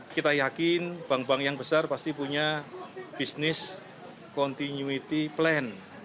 kita yakin bank bank yang besar pasti punya bisnis continuity plan